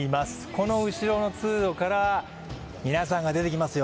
この後ろの通路から皆さんが出てきますよ。